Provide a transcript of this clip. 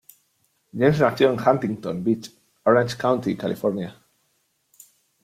James nació en Huntington Beach, Orange County, California.